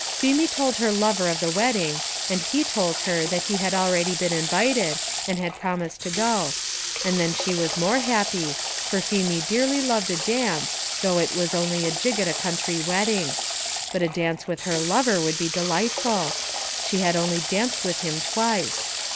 Feemy told her lover of the wedding, and he told her that he had already been invited, and had promised to go; and then she was more happy, for Feemy dearly loved a dance, though it was only a jig at a country wedding; but a dance with her lover would be delightful; she had only danced with him twice.